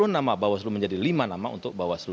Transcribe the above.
sepuluh nama bawaslu menjadi lima nama untuk bawaslu